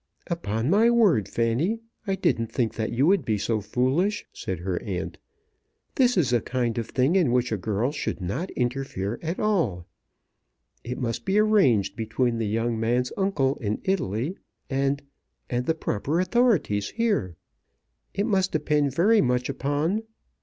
"Upon my word, Fanny, I didn't think that you would be so foolish," said her aunt. "This is a kind of thing in which a girl should not interfere at all. It must be arranged between the young man's uncle in Italy, and and the proper authorities here. It must depend very much upon